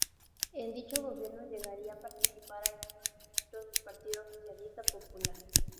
En dicho gobierno llegarían a participar algunos ministros del Partido Socialista Popular.